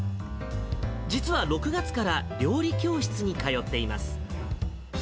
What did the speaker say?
実は６月から料理教室に通っています。